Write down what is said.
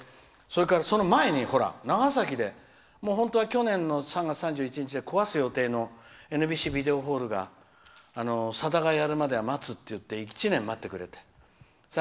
それから、その前に長崎で本当は去年の３月３１日で壊す予定のＮＢＣビデオホールがさだがやるまでは待つって言って１年待ってくれて。